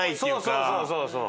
そうそうそうそう。